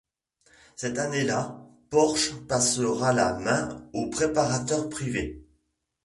Cette année-là Porsche passera la main aux préparateurs privés.